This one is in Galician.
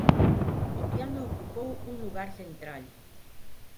O piano ocupou un lugar central.